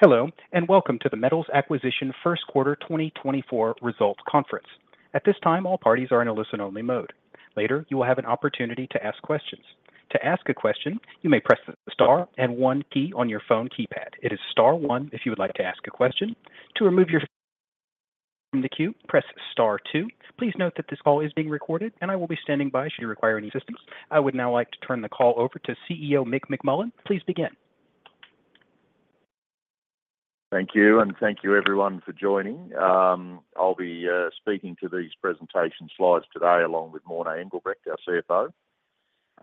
Hello, and welcome to the Metals Acquisition Q1 2024 Results Conference. At this time, all parties are in a listen-only mode. Later, you will have an opportunity to ask questions. To ask a question, you may press the star and one key on your phone keypad. It is star one if you would like to ask a question. To remove your... from the queue, press star two. Please note that this call is being recorded, and I will be standing by should you require any assistance. I would now like to turn the call over to CEO Mick McMullen. Please begin. Thank you, and thank you everyone for joining. I'll be speaking to these presentation slides today, along with Morné Engelbrecht, our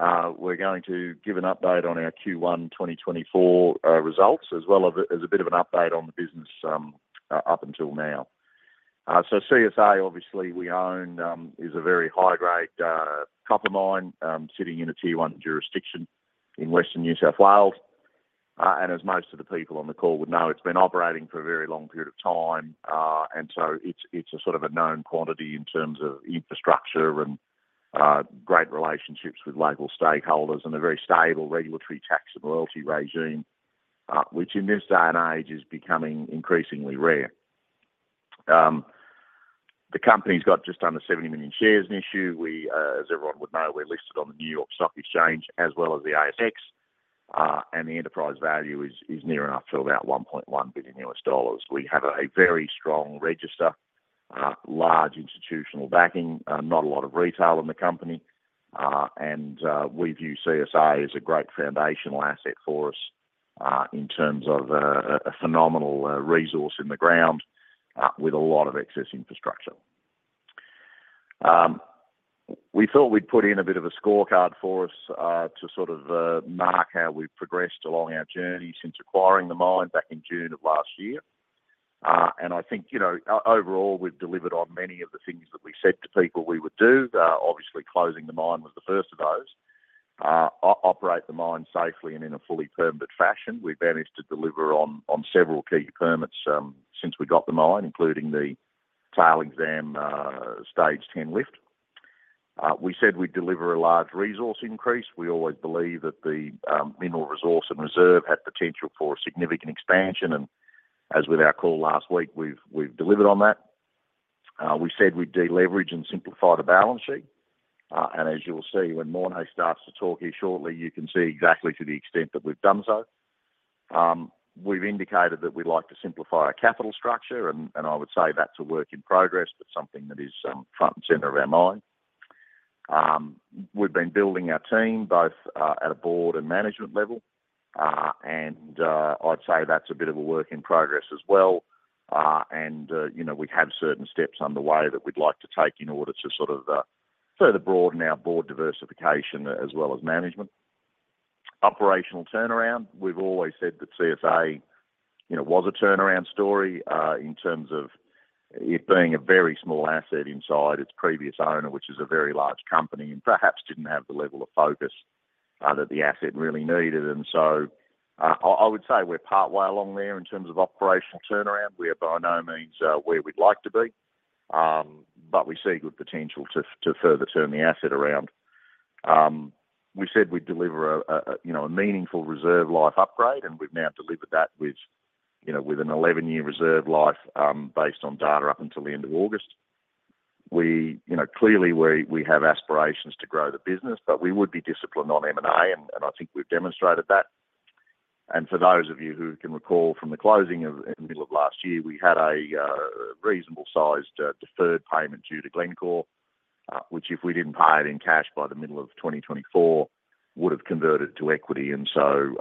CFO. We're going to give an update on our Q1 2024 results, as well as a bit of an update on the business, up until now. So CSA, obviously, we own, is a very high-grade copper mine, sitting in a Tier One jurisdiction in Western New South Wales. And as most of the people on the call would know, it's been operating for a very long period of time, and so it's a sort of a known quantity in terms of infrastructure and great relationships with local stakeholders and a very stable regulatory tax and royalty regime, which in this day and age is becoming increasingly rare. The company's got just under 70 million shares in issue. We, as everyone would know, we're listed on the New York Stock Exchange as well as the ASX, and the enterprise value is near enough to about $1.1 billion. We have a very strong register, large institutional backing, not a lot of retail in the company, and we view CSA as a great foundational asset for us, in terms of a phenomenal resource in the ground, with a lot of excess infrastructure. We thought we'd put in a bit of a scorecard for us, to sort of mark how we've progressed along our journey since acquiring the mine back in June of last year. And I think, you know, overall, we've delivered on many of the things that we said to people we would do. Obviously, closing the mine was the first of those. Operate the mine safely and in a fully permitted fashion. We've managed to deliver on several key permits since we got the mine, including the Tailings Stage 10 Lift. We said we'd deliver a large resource increase. We always believe that the mineral resource and reserve had potential for a significant expansion, and as with our call last week, we've delivered on that. We said we'd deleverage and simplify the balance sheet, and as you will see when Morné starts to talk here shortly, you can see exactly to the extent that we've done so. We've indicated that we'd like to simplify our capital structure, and I would say that's a work in progress, but something that is front and center of our mind. We've been building our team both at a board and management level, and I'd say that's a bit of a work in progress as well. You know, we have certain steps underway that we'd like to take in order to sort of further broaden our board diversification, as well as management. Operational turnaround. We've always said that CSA, you know, was a turnaround story in terms of it being a very small asset inside its previous owner, which is a very large company, and perhaps didn't have the level of focus that the asset really needed. And so, I would say we're partway along there in terms of operational turnaround. We are by no means, where we'd like to be, but we see good potential to further turn the asset around. We said we'd deliver a, you know, a meaningful reserve life upgrade, and we've now delivered that with, you know, with an 11-year reserve life, based on data up until the end of August. We, you know, clearly, we have aspirations to grow the business, but we would be disciplined on M&A, and I think we've demonstrated that. For those of you who can recall from the closing of, in the middle of last year, we had a reasonable-sized deferred payment due to Glencore, which if we didn't pay it in cash by the middle of 2024, would have converted to equity. And so,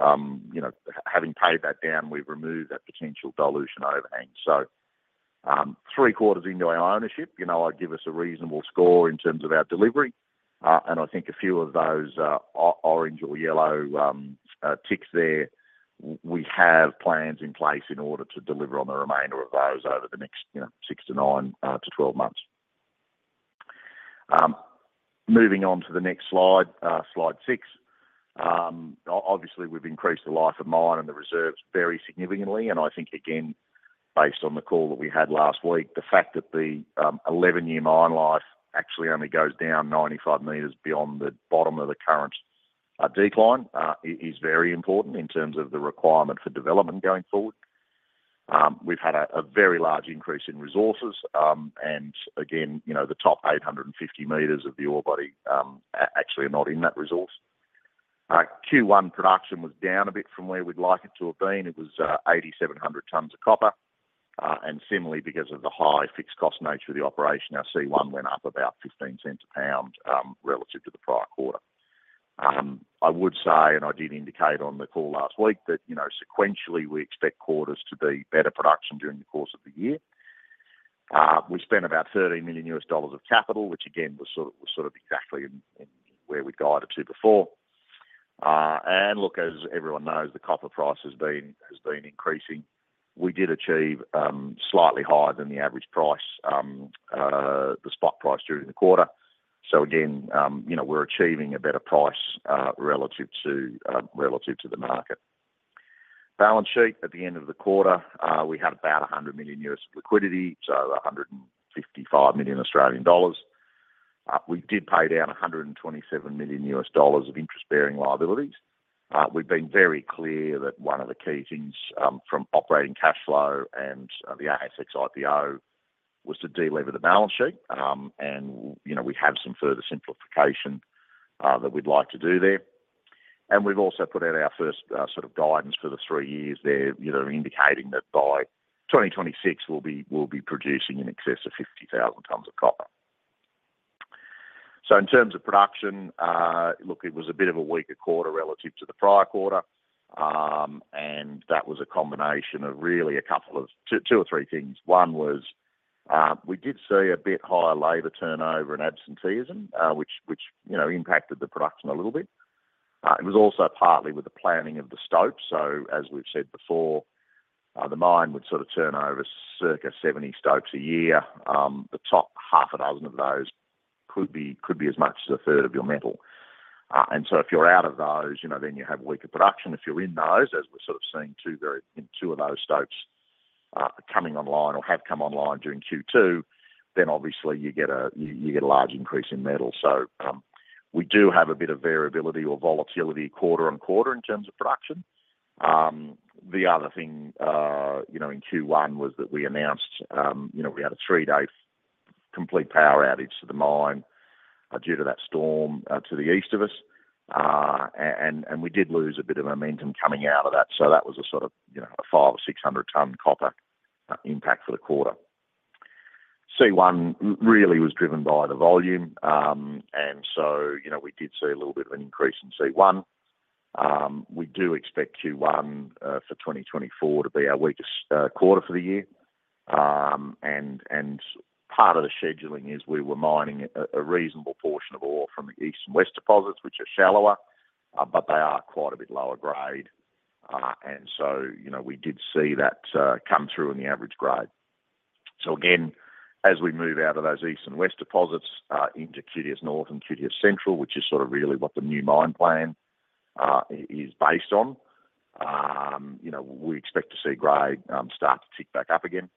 you know, having paid that down, we've removed that potential dilution overhang. So, 3/4 into our ownership, you know, I'd give us a reasonable score in terms of our delivery, and I think a few of those orange or yellow ticks there, we have plans in place in order to deliver on the remainder of those over the next, you know, six to nine to 12 months. Moving on to the next slide, slide 6. Obviously, we've increased the life of mine, and the reserves vary significantly, and I think, again, based on the call that we had last week, the fact that the 11-year mine life actually only goes down 95 meters beyond the bottom of the current decline is very important in terms of the requirement for development going forward. We've had a very large increase in resources, and again, you know, the top 850 meters of the ore body actually are not in that resource. Q1 production was down a bit from where we'd like it to have been. It was 8,700 tonnes of copper, and similarly, because of the high fixed cost nature of the operation, our C1 went up about $0.15 a pound relative to the prior quarter. I would say, and I did indicate on the call last week, that, you know, sequentially, we expect quarters to be better production during the course of the year. We spent about $13 million of capital, which again, was sort of exactly in where we guided to before. And look, as everyone knows, the copper price has been increasing. We did achieve slightly higher than the average price, the spot price during the quarter. So again, you know, we're achieving a better price, relative to the market. Balance sheet at the end of the quarter, we had about $100 million liquidity, so 155 million Australian dollars. We did pay down $127 million of interest-bearing liabilities. We've been very clear that one of the key things from operating cash flow and the ASX IPO was to delever the balance sheet. And, you know, we have some further simplification that we'd like to do there. And we've also put out our first sort of guidance for the three years there, you know, indicating that by 2026, we'll be producing in excess of 50,000 tonnes of copper. So in terms of production, look, it was a bit of a weaker quarter relative to the prior quarter. And that was a combination of really a couple of two or three things. One was, we did see a bit higher labor turnover and absenteeism, which, you know, impacted the production a little bit. It was also partly with the planning of the stopes. As we've said before, the mine would sort of turn over circa 70 stopes a year. The top 1/2 of those could be as much as 1/3 of your metal. And so if you're out of those, you know, then you have weaker production. If you're in those, as we're sort of seeing two of those stopes coming online or have come online during Q2, then obviously you get a large increase in metal. So we do have a bit of variability or volatility quarter-on-quarter in terms of production. The other thing, you know, in Q1 was that we announced we had a three-day complete power outage to the mine due to that storm to the east of us. And we did lose a bit of momentum coming out of that, so that was a sort of, you know, a 500 to 600 tonnes copper impact for the quarter. C1 really was driven by the volume, and so, you know, we did see a little bit of an increase in C1. We do expect Q1 2024 to be our weakest quarter for the year. And part of the scheduling is we were mining a reasonable portion of ore from the east and west deposits, which are shallower, but they are quite a bit lower grade. And so, you know, we did see that come through in the average grade. So again, as we move out of those east and west deposits into QTS North and QTS Central, which is sort of really what the new mine plan is based on, you know, we expect to see grade start to tick back up again.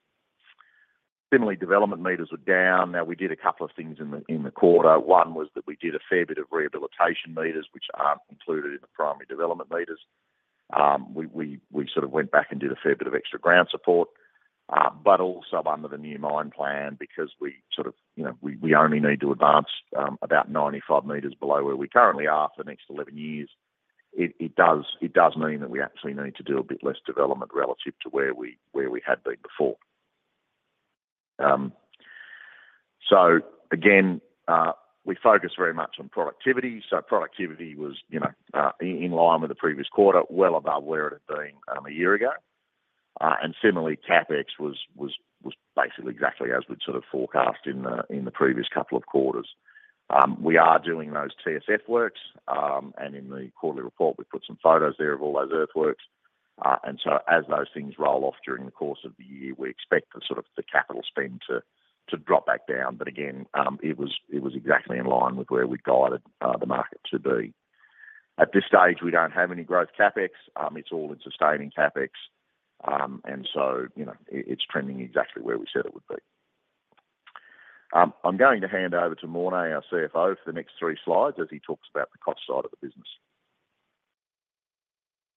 Similarly, development meters are down. Now, we did a couple of things in the quarter. One was that we did a fair bit of rehabilitation meters, which aren't included in the primary development meters. We sort of went back and did a fair bit of extra ground support, but also under the new mine plan, because we sort of, you know, we only need to advance about 95 meters below where we currently are for the next 11 years. It does mean that we actually need to do a bit less development relative to where we had been before. So again, we focus very much on productivity. So productivity was, you know, in line with the previous quarter, well above where it had been, a year ago. And similarly, CapEx was basically exactly as we'd sort of forecast in the previous couple of quarters. We are doing those TSF works, and in the quarterly report, we put some photos there of all those earthworks. And so as those things roll off during the course of the year, we expect the sort of the capital spend to drop back down. But again, it was exactly in line with where we guided the market to be. At this stage, we don't have any growth CapEx. It's all in sustaining CapEx. And so, you know, it, it's trending exactly where we said it would be. I'm going to hand over to Morné, our CFO, for the next three slides as he talks about the cost side of the business.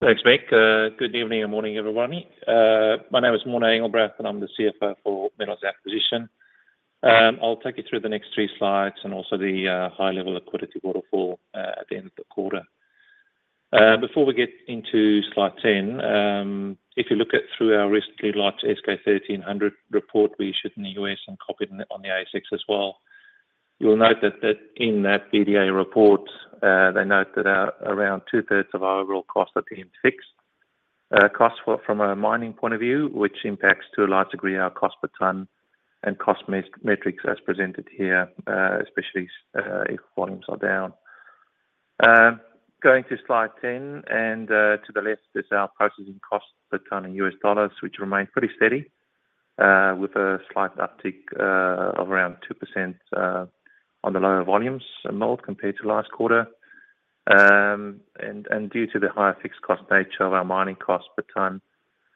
Thanks, Mick. Good evening and morning, everybody. My name is Morné Engelbrecht, and I'm the CFO for Metals Acquisition. I'll take you through the next three slides and also the high-level liquidity waterfall at the end of the quarter. Before we get into slide 10, if you look through our recently launched S-K 1300 report, we issued in the US and copied on the ASX as well. You will note that in that S-K 1300 report, they note that around 2/3 of our overall costs are deemed fixed. Costs from a mining point of view, which impacts, to a large degree, our cost per tonne and cost metrics as presented here, especially if volumes are down. Going to slide 10, and to the left is our processing cost per tonne in U.S. dollars, which remain pretty steady, with a slight uptick of around 2% on the lower volumes in mill compared to last quarter. And due to the higher fixed cost nature of our mining cost per tonne,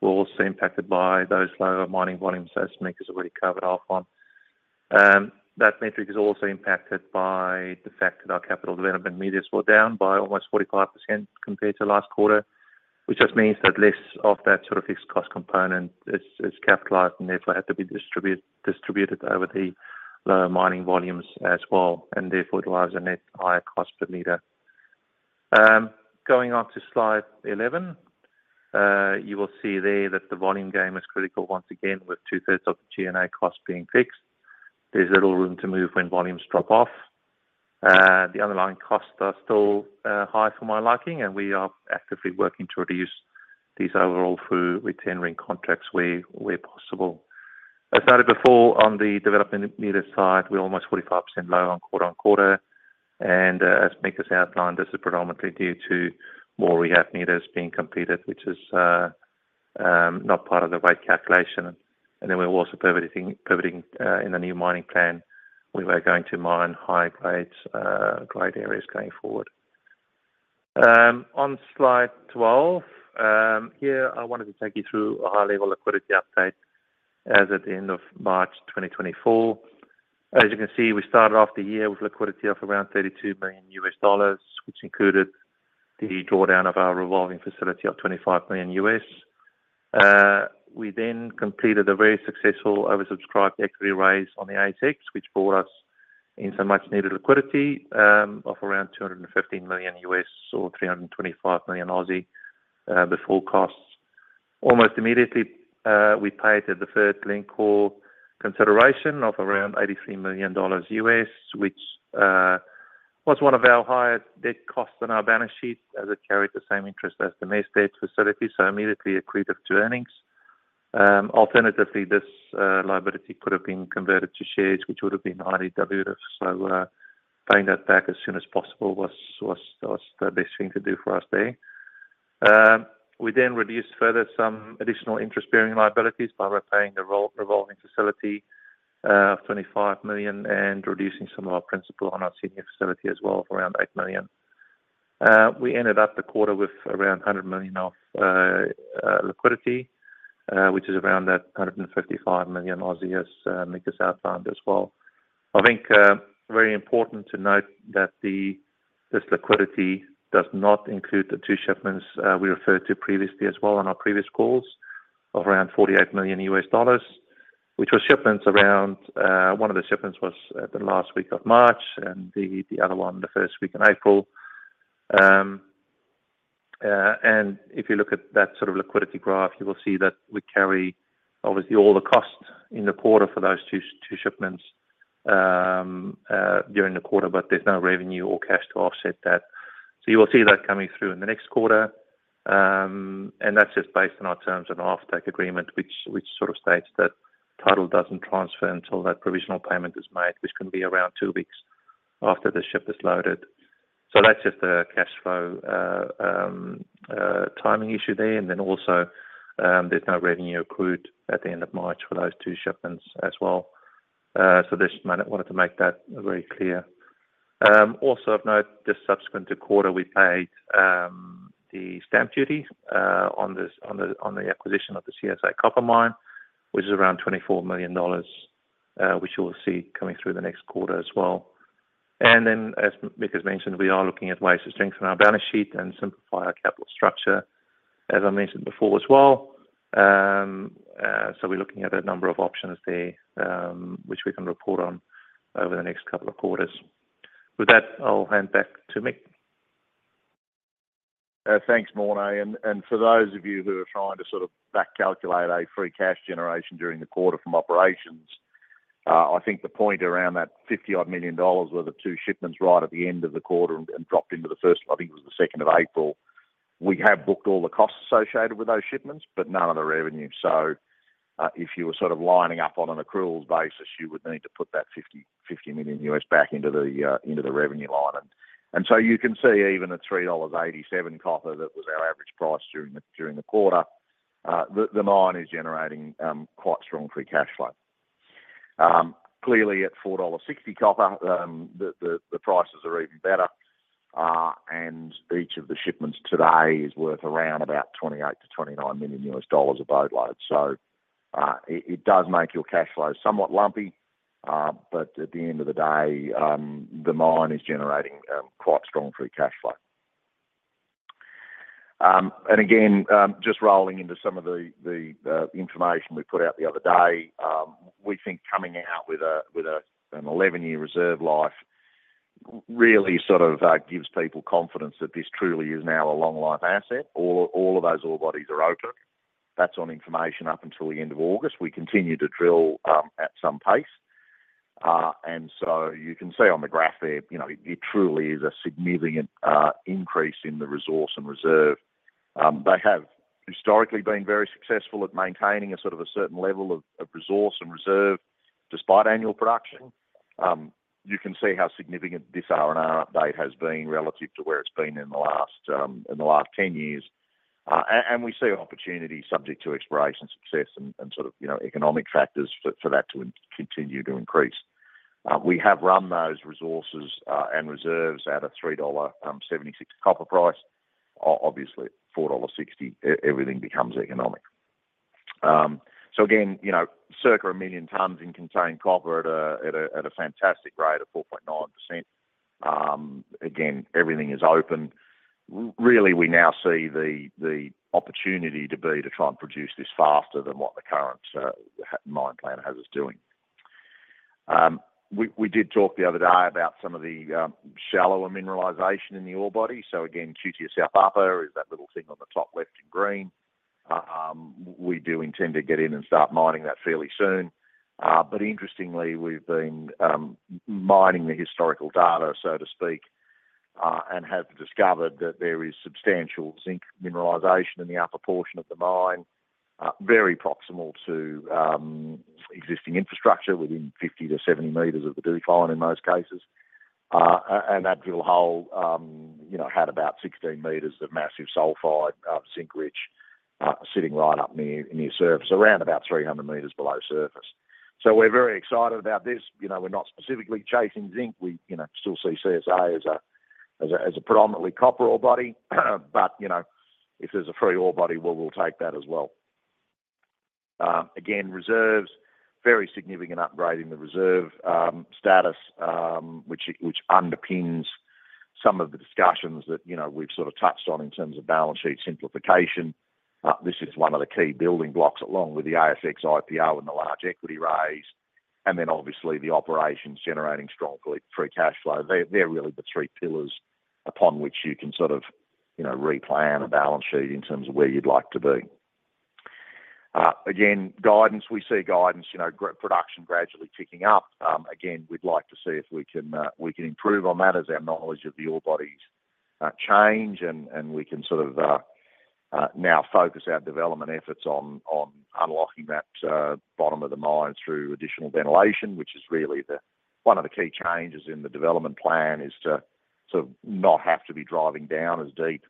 we're also impacted by those lower mining volumes, as Mick has already covered off on. That metric is also impacted by the fact that our capital development meters were down by almost 45% compared to last quarter, which just means that less of that sort of fixed cost component is capitalized and therefore had to be distributed over the lower mining volumes as well, and therefore drives a net higher cost per meter. Going on to slide 11, you will see there that the volume game is critical once again, with 2/3 of the G&A costs being fixed. There's little room to move when volumes drop off. The underlying costs are still high for my liking, and we are actively working to reduce these overall through retaining contracts where, where possible. I stated before on the development meter side, we're almost 45% low on quarter-on-quarter, and, as Mick has outlined, this is predominantly due to more rehab meters being completed, which is not part of the rate calculation. And then we're also pivoting, pivoting in the new mining plan, where we're going to mine high-grade, grade areas going forward. On slide 12, here I wanted to take you through a high-level liquidity update as at the end of March 2024. As you can see, we started off the year with liquidity of around $32 million, which included the drawdown of our revolving facility of $25 million. We then completed a very successful oversubscribed equity raise on the ASX, which brought us in some much-needed liquidity of around $215 million or 325 million before costs. Almost immediately, we paid the deferred Glencore consideration of around $83 million, which was one of our highest debt costs on our balance sheet as it carried the same interest as the May debt facility, so immediately accretive to earnings. Alternatively, this liability could have been converted to shares, which would have been highly dilutive. So, paying that back as soon as possible was the best thing to do for us there. We then reduced further some additional interest-bearing liabilities by repaying the revolving facility of $25 million and reducing some of our principal on our senior facility as well of around $8 million. We ended up the quarter with around $100 million of liquidity, which is around that 155 million Mick has outlined as well. I think very important to note that this liquidity does not include the two shipments we referred to previously as well on our previous calls of around $48 million, which was shipments around... One of the shipments was the last week of March and the other one, the first week in April. And if you look at that sort of liquidity graph, you will see that we carry obviously all the costs in the quarter for those two shipments during the quarter, but there's no revenue or cash to offset that. So you will see that coming through in the next quarter. And that's just based on our terms and off-take agreement, which sort of states that title doesn't transfer until that provisional payment is made, which can be around two weeks after the ship is loaded. So that's just a cash flow timing issue there. And then also, there's no revenue accrued at the end of March for those two shipments as well. So just wanted to make that very clear. Also of note, just subsequent to quarter, we paid the stamp duty on the acquisition of the CSA copper mine, which is around 24 million dollars, which you will see coming through the next quarter as well. And then, as Mick has mentioned, we are looking at ways to strengthen our balance sheet and simplify our capital structure, as I mentioned before as well. So we're looking at a number of options there, which we can report on over the next couple of quarters. With that, I'll hand back to Mick. Thanks, Morné. And for those of you who are trying to sort of back calculate a free cash generation during the quarter from operations, I think the point around that -$50 odd million were the two shipments right at the end of the quarter and dropped into the first, I think it was 2 April. We have booked all the costs associated with those shipments, but none of the revenue. So, if you were sort of lining up on an accruals basis, you would need to put that $50 million back into the into the revenue line. And so you can see even at $3.87 copper, that was our average price during the quarter, the mine is generating quite strong free cash flow. Clearly at $4.60 copper, the prices are even better, and each of the shipments today is worth around about $28 million to 29 million a boatload. So, it does make your cash flow somewhat lumpy, but at the end of the day, the mine is generating quite strong free cash flow. And again, just rolling into some of the information we put out the other day, we think coming out with an 11-year reserve life, really sort of gives people confidence that this truly is now a long life asset. All of those ore bodies are open. That's on information up until the end of August. We continue to drill at some pace. So you can see on the graph there, you know, it truly is a significant increase in the resource and reserve. They have historically been very successful at maintaining a sort of a certain level of resource and reserve despite annual production. You can see how significant this R&R update has been relative to where it's been in the last 10 years. And we see an opportunity subject to exploration success, and sort of, you know, economic factors for that to continue to increase. We have run those resources and reserves at a $3.76 copper price. Obviously, $4.60 everything becomes economic. So again, you know, circa 1 million tonnes in contained copper at a fantastic rate of 4.9%. Again, everything is open. Really, we now see the opportunity to be, to try and produce this faster than what the current mine plan has us doing. We did talk the other day about some of the shallower mineralization in the ore body. So again, QTS South Upper is that little thing on the top left in green. We do intend to get in and start mining that fairly soon. But interestingly, we've been mining the historical data, so to speak, and have discovered that there is substantial zinc mineralization in the upper portion of the mine, very proximal to existing infrastructure within 50 to 70 meters of the decline, in most cases. And that drill hole, you know, had about 16 meters of massive sulfide, zinc-rich-... sitting right up near, near surface, around about 300 meters below surface. So we're very excited about this. You know, we're not specifically chasing zinc. We, you know, still see CSA as a predominantly copper ore body. But, you know, if there's a free ore body, we'll take that as well. Again, reserves, very significant upgrade in the reserve status, which underpins some of the discussions that, you know, we've sort of touched on in terms of balance sheet simplification. This is one of the key building blocks, along with the ASX IPO and the large equity raise, and then obviously the operations generating strong free cash flow. They're really the three pillars upon which you can sort of, you know, replan a balance sheet in terms of where you'd like to be. Again, guidance, we see guidance, you know, growing production gradually ticking up. Again, we'd like to see if we can, we can improve on that as our knowledge of the ore bodies change, and we can sort of now focus our development efforts on unlocking that bottom of the mine through additional ventilation, which is really the... One of the key changes in the development plan is to sort of not have to be driving down as deep,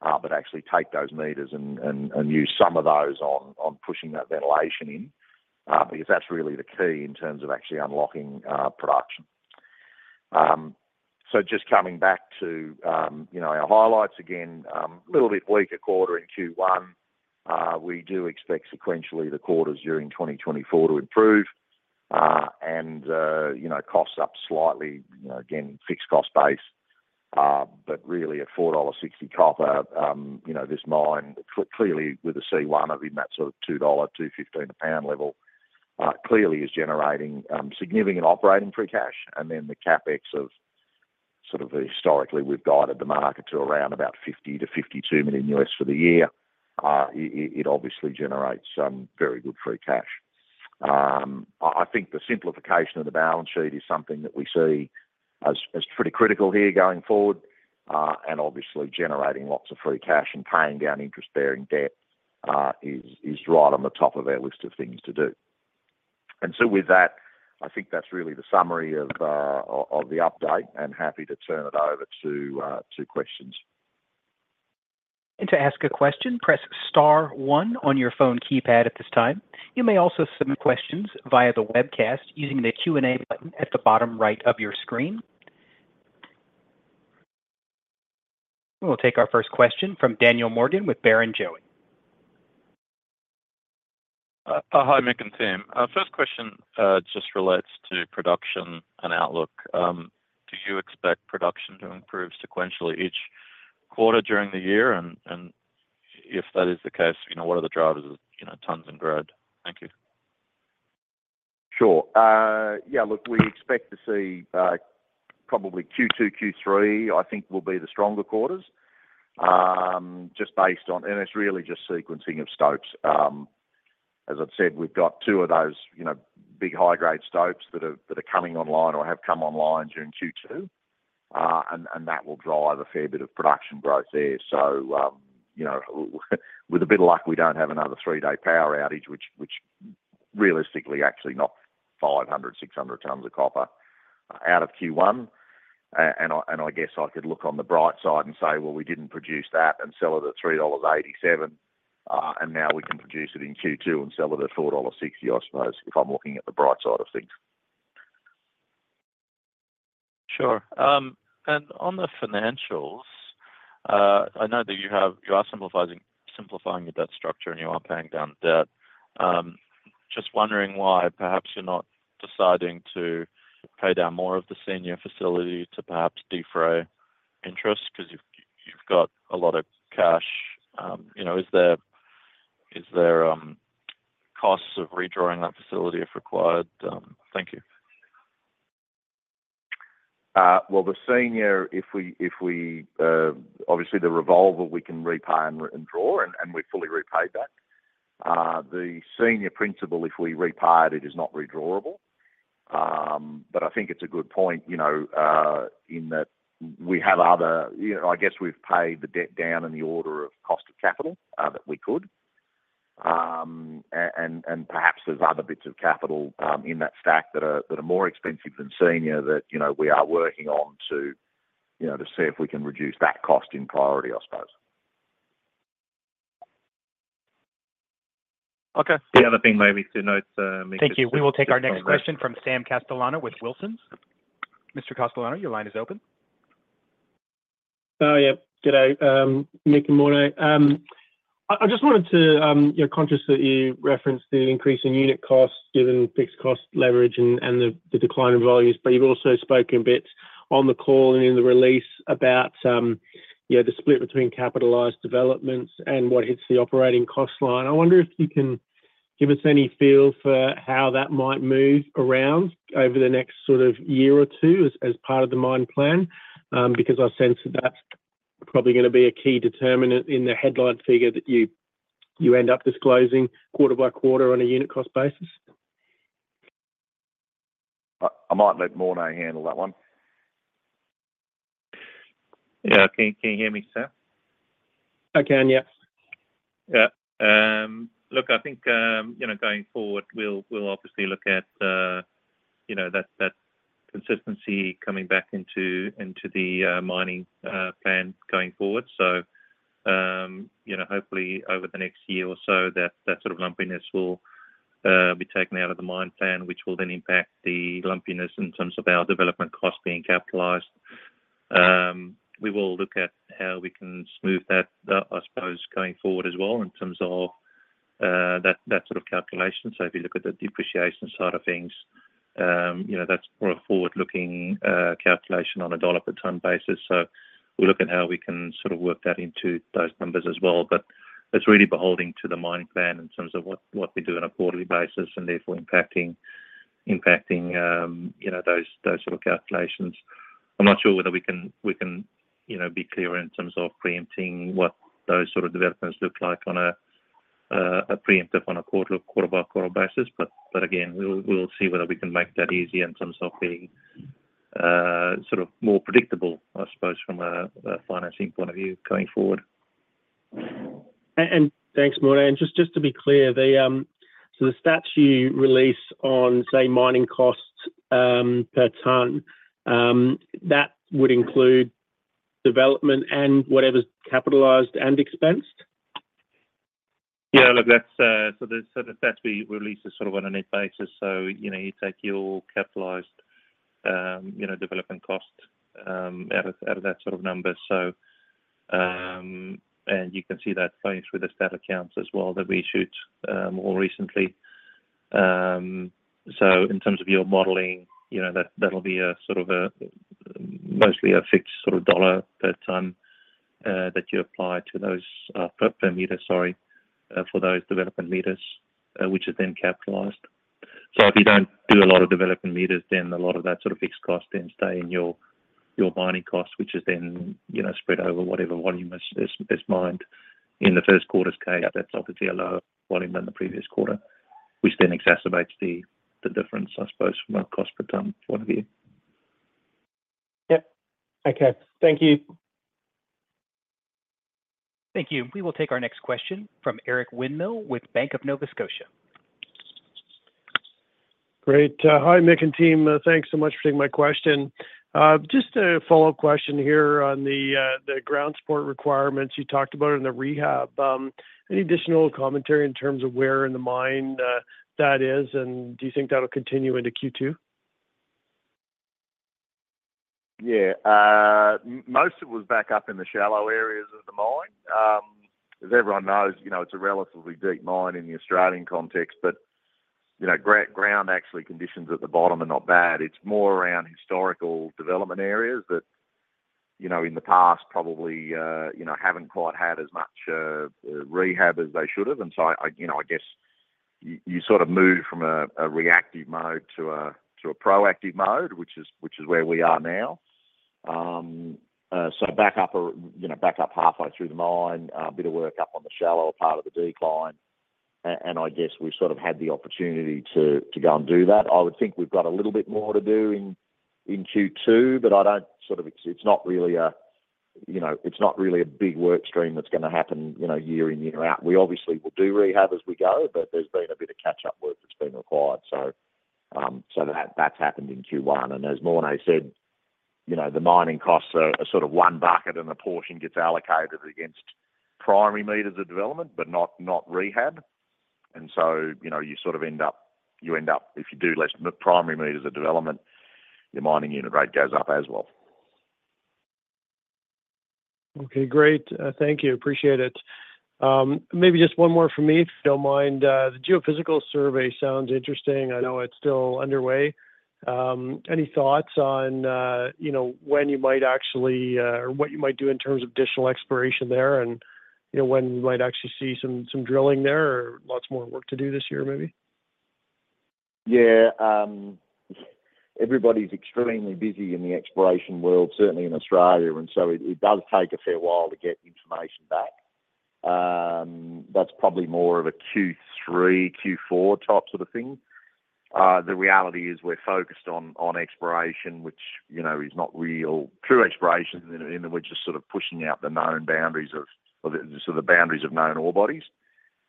but actually take those meters and use some of those on pushing that ventilation in. Because that's really the key in terms of actually unlocking production. So just coming back to, you know, our highlights again, little bit weaker quarter in Q1. We do expect sequentially the quarters during 2024 to improve. And you know, costs up slightly, you know, again, fixed cost base. But really $4.60 copper, you know, this mine, clearly with a C1 in that sort of $2 to $2.15 a pound level, clearly is generating, significant operating free cash. And then the CapEx of sort of historically, we've guided the market to around about $50 to 52 million for the year. It obviously generates, very good free cash. I think the simplification of the balance sheet is something that we see as, as pretty critical here going forward. And obviously, generating lots of free cash and paying down interest-bearing debt, is right on the top of our list of things to do. And so with that, I think that's really the summary of the update, and happy to turn it over to questions. To ask a question, press star one on your phone keypad at this time. You may also submit questions via the webcast using the Q&A button at the bottom right of your screen. We'll take our first question from Daniel Morgan with Barrenjoey. Hi, Mick and team. First question just relates to production and outlook. Do you expect production to improve sequentially each quarter during the year? And if that is the case, you know, what are the drivers of, you know, tonnes and grade? Thank you. Sure. Yeah, look, we expect to see probably Q2, Q3, I think will be the stronger quarters. Just based on... And it's really just sequencing of stopes. As I've said, we've got two of those, you know, big high-grade stopes that are coming online or have come online during Q2. And that will drive a fair bit of production growth there. So, you know, with a bit of luck, we don't have another three-day power outage, which realistically actually knocked 500 to 600 tonnes of copper out of Q1. I guess I could look on the bright side and say, well, we didn't produce that and sell it at $3.87, and now we can produce it in Q2 and sell it at $4.60, I suppose, if I'm looking at the bright side of things. Sure. And on the financials, I know that you are simplifying, simplifying your debt structure, and you are paying down debt. Just wondering why perhaps you're not deciding to pay down more of the senior facility to perhaps defray interest? 'Cause you've got a lot of cash. You know, is there costs of redrawing that facility if required? Thank you. Well, the senior, if we obviously the revolver, we can repay and draw, and we've fully repaid that. The senior principal, if we repaid it, is not redrawable. But I think it's a good point, you know, in that we have other... You know, I guess we've paid the debt down in the order of cost of capital that we could. And perhaps there's other bits of capital in that stack that are more expensive than senior that, you know, we are working on to, you know, to see if we can reduce that cost in priority, I suppose. Okay. The other thing maybe to note, Mick- Thank you. We will take our next question from Sam Catalano with Wilsons. Mr. Catalano, your line is open. Oh, yeah. Good day, Mick and Morné. I just wanted to, you know, conscious that you referenced the increase in unit costs, given fixed cost leverage and the decline in volumes, but you've also spoken a bit on the call and in the release about, you know, the split between capitalized developments and what hits the operating cost line. I wonder if you can give us any feel for how that might move around over the next sort of year or two as part of the mine plan? Because I sense that that's probably gonna be a key determinant in the headline figure that you end up disclosing quarter by quarter on a unit cost basis. I might let Morné handle that one. Yeah. Can you hear me, sir? I can, yes. Yeah. Look, I think, you know, going forward, we'll obviously look at that consistency coming back into the mining plan going forward. So, you know, hopefully over the next year or so, that sort of lumpiness will be taken out of the mine plan, which will then impact the lumpiness in terms of our development costs being capitalized. We will look at how we can smooth that out, I suppose, going forward as well, in terms of that sort of calculation. So if you look at the depreciation side of things, you know, that's more a forward-looking calculation on a dollar per tonne basis. So we'll look at how we can sort of work that into those numbers as well. But it's really beholden to the mining plan in terms of what we do on a quarterly basis, and therefore impacting you know those sort of calculations. I'm not sure whether we can you know be clear in terms of preempting what those sort of developments look like on a preempt on a quarter-by-quarter basis. But again, we'll see whether we can make that easy in terms of being sort of more predictable, I suppose, from a financing point of view going forward. And thanks, Morné. And just to be clear, so the stats you release on, say, mining costs per tonne, that would include development and whatever's capitalized and expensed? Yeah, look, that's so the stats we release is sort of on a net basis. So, you know, you take your capitalized, you know, development cost out of that sort of number. So, and you can see that flowing through the stat accounts as well, that we issued more recently. So in terms of your modeling, you know, that, that'll be a sort of a mostly a fixed sort of dollar per tonne that you apply to those per meter, sorry, for those development meters which are then capitalized. So if you don't do a lot of development meters, then a lot of that sort of fixed cost then stay in your mining cost, which is then, you know, spread over whatever volume is mined. In the Q1's case, that's obviously a lower volume than the previous quarter, which then exacerbates the difference, I suppose, from a cost per tonne point of view. Yep. Okay. Thank you. Thank you. We will take our next question from Eric Winmill with Bank of Nova Scotia. Great. Hi, Mick and team. Thanks so much for taking my question. Just a follow-up question here on the ground support requirements you talked about in the rehab. Any additional commentary in terms of where in the mine that is, and do you think that'll continue into Q2? Yeah. Most it was back up in the shallow areas of the mine. As everyone knows, you know, it's a relatively deep mine in the Australian context, but, you know, ground actually, conditions at the bottom are not bad. It's more around historical development areas that, you know, in the past, probably, you know, haven't quite had as much rehab as they should have. And so I, you know, I guess you sort of move from a reactive mode to a proactive mode, which is where we are now. So back up, you know, back up halfway through the mine, a bit of work up on the shallower part of the decline, and I guess we've sort of had the opportunity to go and do that. I would think we've got a little bit more to do in Q2, but I don't... Sort of it's not really a, you know, it's not really a big work stream that's gonna happen, you know, year in, year out. We obviously will do rehab as we go, but there's been a bit of catch-up work that's been required. So, so that, that's happened in Q1. And as Morné said, you know, the mining costs are sort of one bucket, and a portion gets allocated against primary meters of development, but not rehab. And so, you know, you sort of end up, if you do less primary meters of development, your mining unit rate goes up as well. Okay, great. Thank you. Appreciate it. Maybe just one more from me, if you don't mind. The geophysical survey sounds interesting. I know it's still underway. Any thoughts on, you know, when you might actually, or what you might do in terms of additional exploration there, and, you know, when we might actually see some drilling there? Or lots more work to do this year, maybe. Yeah, everybody's extremely busy in the exploration world, certainly in Australia, and so it does take a fair while to get information back. That's probably more of a Q3, Q4 type sort of thing. The reality is we're focused on exploration, which, you know, is not really true exploration in a way, just sort of pushing out the known boundaries, so the boundaries of known ore bodies.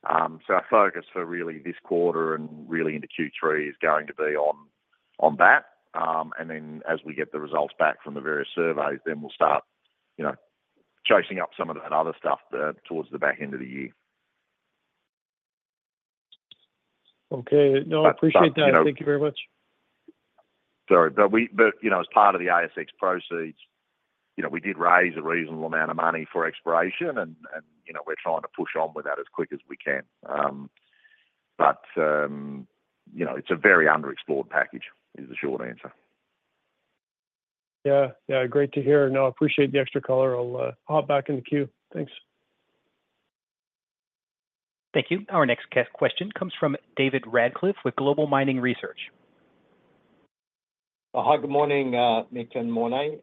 So our focus for really this quarter and really into Q3 is going to be on that. And then as we get the results back from the various surveys, then we'll start, you know, chasing up some of that other stuff towards the back end of the year. Okay. No, I appreciate that. You know— Thank you very much. Sorry, but you know, as part of the ASX proceeds, you know, we did raise a reasonable amount of money for exploration, and you know, we're trying to push on with that as quick as we can. You know, it's a very underexplored package, is the short answer. Yeah, yeah, great to hear. No, I appreciate the extra color. I'll hop back in the queue. Thanks. Thank you. Our next question comes from David Radclyffe with Global Mining Research. Hi, good morning, Mick and Morné.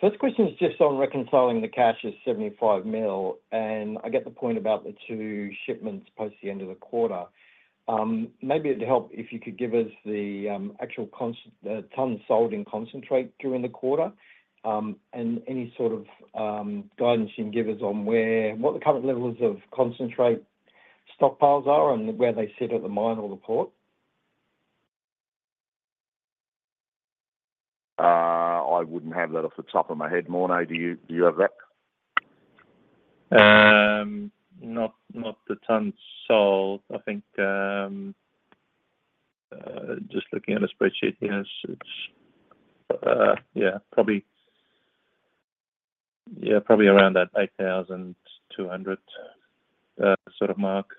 First question is just on reconciling the cash is $75 million, and I get the point about the two shipments post the end of the quarter. Maybe it'd help if you could give us the actual tonnes sold in concentrate during the quarter, and any sort of guidance you can give us on where, what the current levels of concentrate stockpiles are and where they sit at the mine or the port? I wouldn't have that off the top of my head. Morné, do you, do you have that? Not the tonnes sold. I think, just looking at a spreadsheet here, it's yeah, probably around that 8,200 sort of mark.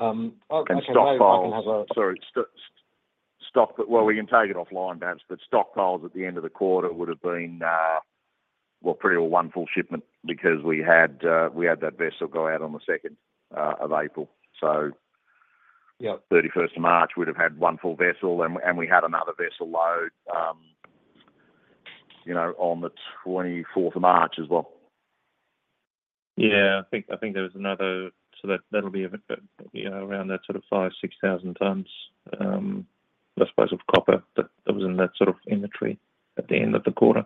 Okay, I can have a- Stockpiles. Sorry, stock. Well, we can take it offline, perhaps, but stockpiles at the end of the quarter would have been, well, pretty well one full shipment because we had, we had that vessel go out on 2 April. So- Yep the 31 March, we'd have had one full vessel, and we had another vessel load, you know, on the 24 March as well. Yeah, I think there was another... So that, that'll be, you know, around that sort of 5,000 to 6,000 tonnes, I suppose, of copper that was in that sort of inventory at the end of the quarter.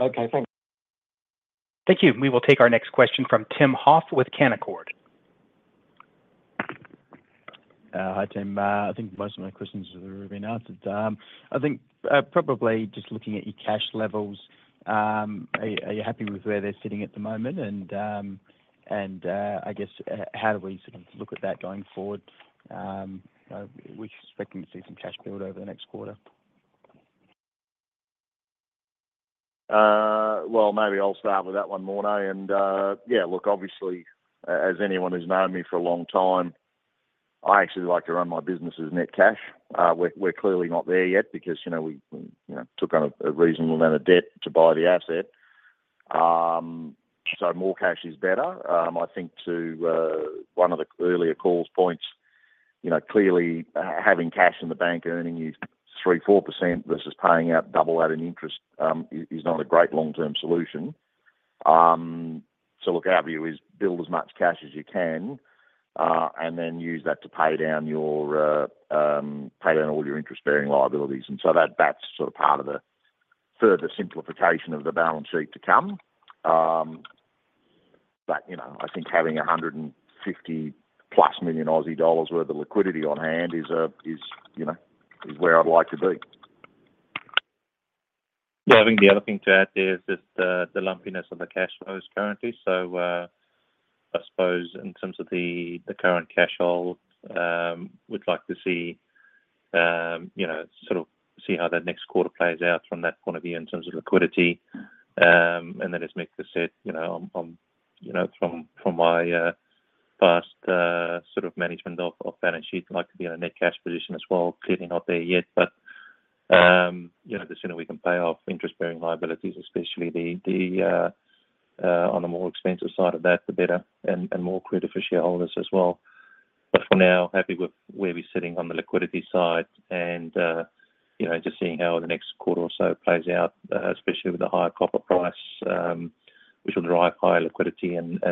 Okay, thanks. Thank you. We will take our next question from Tim Hoff with Canaccord. Hi, Tim. I think most of my questions have already been answered. I think probably just looking at your cash levels, are you happy with where they're sitting at the moment? And I guess how do we sort of look at that going forward? Are we expecting to see some cash build over the next quarter? Well, maybe I'll start with that one, Morné. And yeah, look, obviously, as anyone who's known me for a long time, I actually like to run my business as net cash. We're clearly not there yet because, you know, we took on a reasonable amount of debt to buy the asset. So more cash is better. I think to one of the earlier calls points, you know, clearly, having cash in the bank earning you 3% to 4% versus paying out double that in interest is not a great long-term solution. So look, our view is build as much cash as you can, and then use that to pay down your pay down all your interest-bearing liabilities. And so that's sort of part of the further simplification of the balance sheet to come. But you know, I think having +150 million Aussie dollars worth of liquidity on hand is, you know, where I'd like to be. Yeah, I think the other thing to add there is just the lumpiness of the cash flows currently. So, I suppose in terms of the current cash hold, we'd like to see, you know, sort of see how that next quarter plays out from that point of view in terms of liquidity. And then as Mick just said, you know, I'm, you know, from my past sort of management of balance sheet, I'd like to be in a net cash position as well. Clearly not there yet, but, you know, the sooner we can pay off interest-bearing liabilities, especially the on the more expensive side of that, the better and more critical for shareholders as well. But for now, happy with where we're sitting on the liquidity side and, you know, just seeing how the next quarter or so plays out, especially with the higher copper price, which will drive higher liquidity and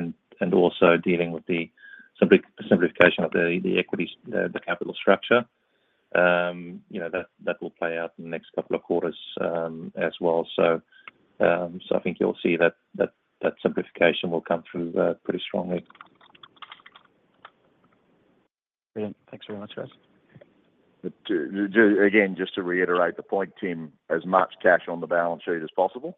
also dealing with the simplification of the equity, the capital structure. You know, that simplification will come through pretty strongly. Brilliant. Thanks very much, guys. But to again, just to reiterate the point, Tim, as much cash on the balance sheet as possible,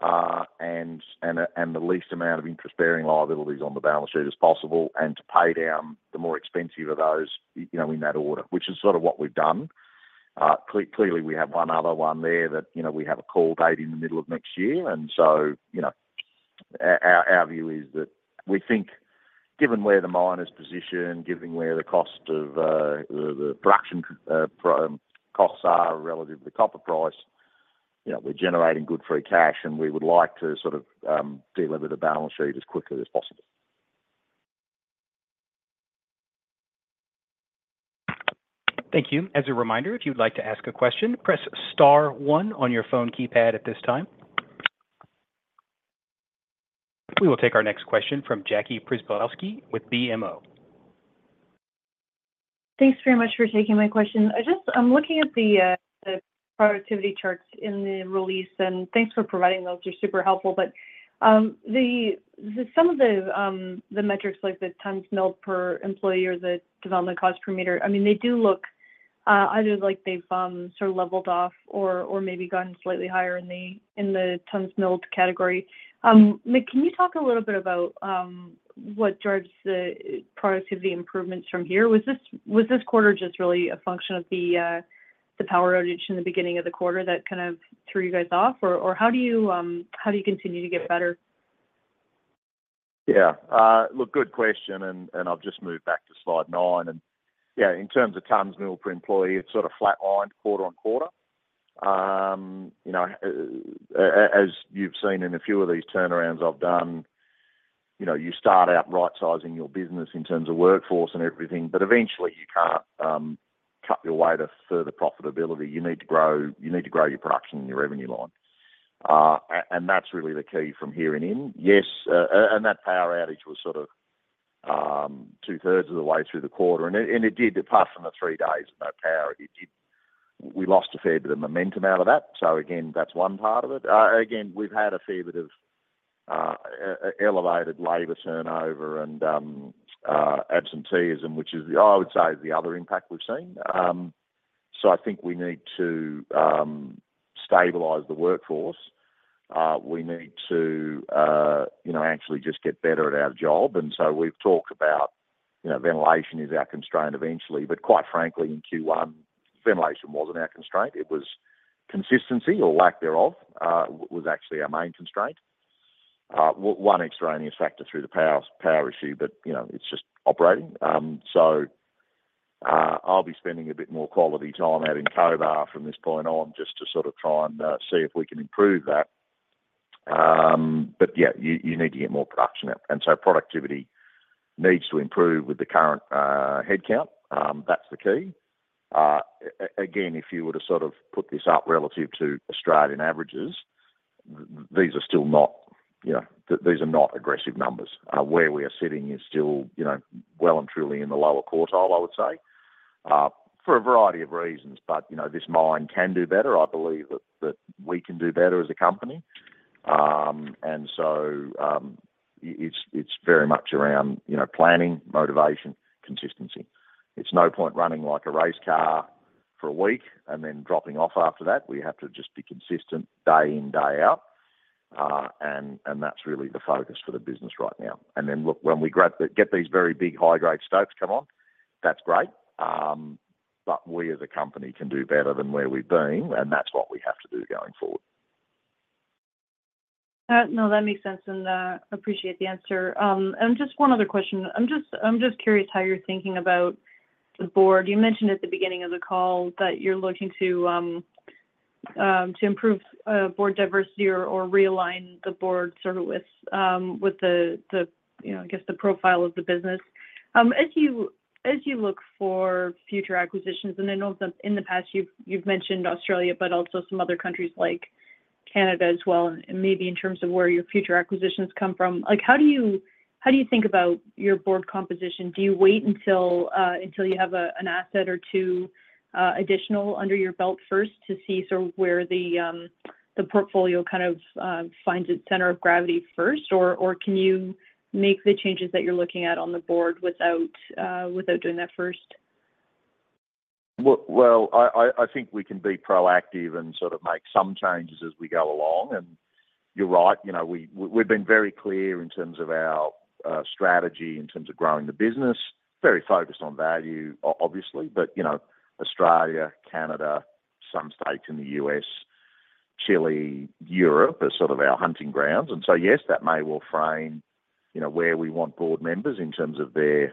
and the least amount of interest-bearing liabilities on the balance sheet as possible, and to pay down the more expensive of those, you know, in that order, which is sort of what we've done. Clearly, we have one other one there that, you know, we have a call date in the middle of next year, and so, you know, our view is that we think given where the mine is positioned, given where the cost of the production costs are relative to the copper price, you know, we're generating good free cash, and we would like to sort of deliver the balance sheet as quickly as possible. Thank you. As a reminder, if you'd like to ask a question, press star one on your phone keypad at this time. We will take our next question from Jackie Przybylowski with BMO. Thanks very much for taking my question. I just, I'm looking at the productivity charts in the release, and thanks for providing those. They're super helpful. But, some of the metrics like the tonnes milled per employee or the development cost per meter, I mean, they do look either like they've sort of leveled off or maybe gotten slightly higher in the tonnes milled category. Mick, can you talk a little bit about what drives the productivity improvements from here? Was this quarter just really a function of the power outage in the beginning of the quarter that kind of threw you guys off? Or how do you continue to get better? Yeah, look, good question, and I've just moved back to slide 9. And yeah, in terms of tonnes milled per employee, it's sort of flatlined quarter-on-quarter. You know, as you've seen in a few of these turnarounds I've done, you know, you start out right-sizing your business in terms of workforce and everything, but eventually, you can't cut your way to further profitability. You need to grow, you need to grow your production and your revenue line. And that's really the key from here on in. Yes, and that power outage was sort of 2/3 of the way through the quarter, and it did, apart from the three days of no power, it did. We lost a fair bit of momentum out of that. So again, that's one part of it. Again, we've had a fair bit of elevated labor turnover and absenteeism, which is the, I would say, is the other impact we've seen. So I think we need to stabilize the workforce. We need to, you know, actually just get better at our job. So we've talked about, you know, ventilation is our constraint eventually, but quite frankly, in Q1, ventilation wasn't our constraint. It was consistency or lack thereof was actually our main constraint. One extraneous factor through the power issue, but, you know, it's just operating. I'll be spending a bit more quality time out in Cobar from this point on, just to sort of try and see if we can improve that. But yeah, you need to get more production out, and so productivity needs to improve with the current headcount. That's the key. Again, if you were to sort of put this up relative to Australian averages, these are still not, you know, these are not aggressive numbers. Where we are sitting is still, you know, well, and truly in the lower quartile, I would say, for a variety of reasons. But, you know, this mine can do better. I believe that we can do better as a company. And so, it's very much around, you know, planning, motivation, consistency. It's no point running like a race car for a week and then dropping off after that. We have to just be consistent day in, day out. And that's really the focus for the business right now. Then, look, when we get these very big, high-grade stopes come on, that's great. But we, as a company, can do better than where we've been, and that's what we have to do going forward. No, that makes sense, and appreciate the answer. Just one other question. I'm curious how you're thinking about the board. You mentioned at the beginning of the call that you're looking to improve board diversity or realign the board sort of with the, you know, I guess, the profile of the business. As you look for future acquisitions, and I know that in the past, you've mentioned Australia, but also some other countries like Canada as well, and maybe in terms of where your future acquisitions come from. Like, how do you think about your board composition? Do you wait until you have an asset or two additional under your belt first to see sort of where the portfolio kind of finds its center of gravity first? Or can you make the changes that you're looking at on the board without doing that first? Well, I think we can be proactive and sort of make some changes as we go along, and you're right. You know, we've been very clear in terms of our strategy, in terms of growing the business. Very focused on value, obviously, but, you know, Australia, Canada, some states in the US, Chile, Europe, are sort of our hunting grounds. And so, yes, that may well frame, you know, where we want board members in terms of their,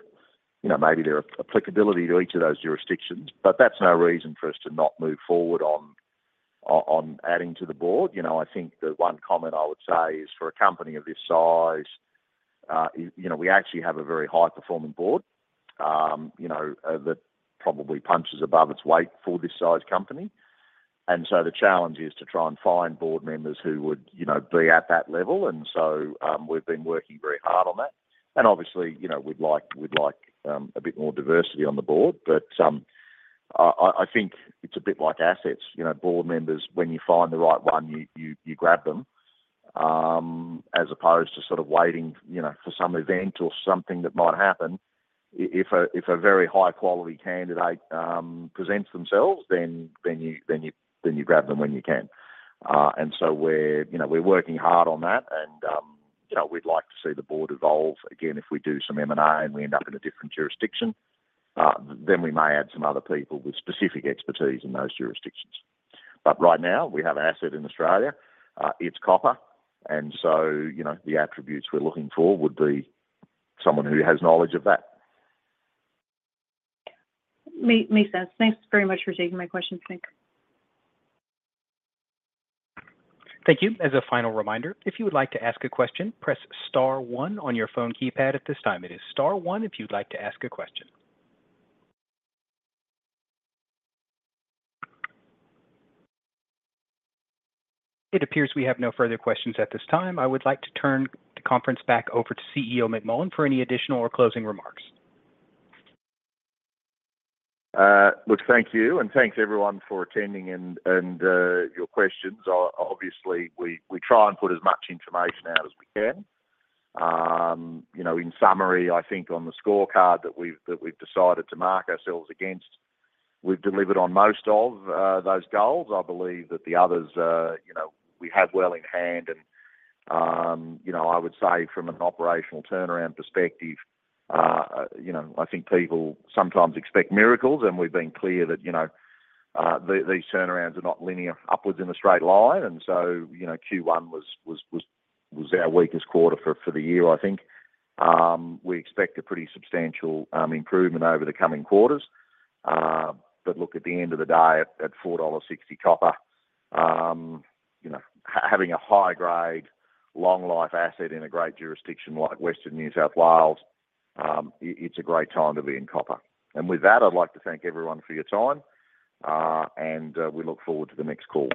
you know, maybe their applicability to each of those jurisdictions, but that's no reason for us to not move forward on adding to the board. You know, I think the one comment I would say is, for a company of this size, you know, we actually have a very high-performing board, that probably punches above its weight for this size company. So the challenge is to try and find board members who would, you know, be at that level. And so, we've been working very hard on that, and obviously, you know, we'd like, we'd like, a bit more diversity on the board. But, I think it's a bit like assets. You know, board members, when you find the right one, you grab them, as opposed to sort of waiting, you know, for some event or something that might happen. If a very high-quality candidate presents themselves, then you grab them when you can. And so we're, you know, we're working hard on that, and, you know, we'd like to see the board evolve. Again, if we do some M&A, and we end up in a different jurisdiction, then we may add some other people with specific expertise in those jurisdictions. But right now, we have an asset in Australia. It's copper, and so, you know, the attributes we're looking for would be someone who has knowledge of that. Makes sense. Thanks very much for taking my questions, Mick. Thank you. As a final reminder, if you would like to ask a question, press star one on your phone keypad. At this time, it is star one if you'd like to ask a question. It appears we have no further questions at this time. I would like to turn the conference back over to CEO McMullen for any additional or closing remarks. Look, thank you, and thanks, everyone, for attending and your questions. Obviously, we try and put as much information out as we can. You know, in summary, I think on the scorecard that we've decided to mark ourselves against, we've delivered on most of those goals. I believe that the others, you know, we have well in hand, and you know, I would say from an operational turnaround perspective, you know, I think people sometimes expect miracles, and we've been clear that, you know, these turnarounds are not linear upwards in a straight line. So, you know, Q1 was our weakest quarter for the year, I think. We expect a pretty substantial improvement over the coming quarters. But look, at the end of the day, at $4.60 copper, you know, having a high-grade, long-life asset in a great jurisdiction like Western New South Wales, it's a great time to be in copper. With that, I'd like to thank everyone for your time, and we look forward to the next call.